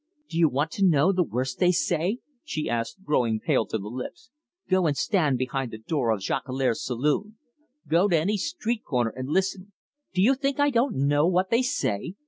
"Do you want to know the worst they say?" she asked, growing pale to the lips. "Go and stand behind the door of Jolicoeur's saloon. Go to any street corner, and listen. Do you think I don't know what they say?